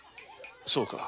そうか。